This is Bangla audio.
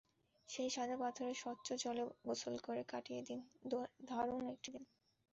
সেই সাদা পাথরের স্বচ্ছ জলে গোসল করে কাটিয়ে দিন দারুণ একটি দিন।